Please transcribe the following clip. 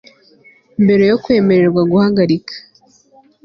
mbere yo kwemererwa guhagarika